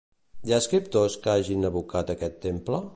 Hi ha escriptors que hagin evocat aquest temple?